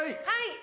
はい。